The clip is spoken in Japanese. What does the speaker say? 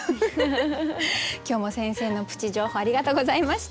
今日も先生のプチ情報ありがとうございました。